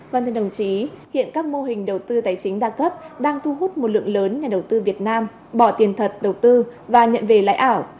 vâng thưa đồng chí hiện các mô hình đầu tư tài chính đa cấp đang thu hút một lượng lớn nhà đầu tư việt nam bỏ tiền thật đầu tư và nhận về lãi ảo